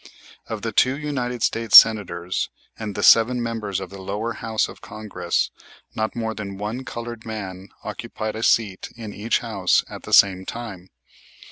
Of the two United States Senators and the seven members of the lower house of Congress not more than one colored man occupied a seat in each house at the same time.